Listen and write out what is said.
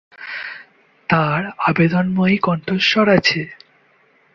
তার আবেদনময়ী কণ্ঠস্বর আছে।